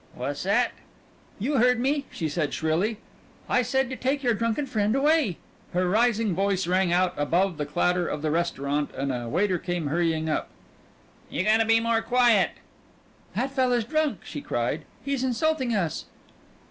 "What's at?" "You heard me!" she said shrilly. "I said to take your drunken friend away." Her rising voice rang out above the clatter of the restaurant and a waiter came hurrying up. "You gotta be more quiet!" "That fella's drunk," she cried. "He's insulting us."